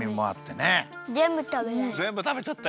ぜんぶたべちゃった！